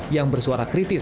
yang bersuara dengan kebencian